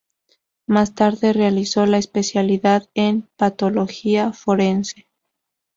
Más tarde, realizó la especialidad en Patología Forense.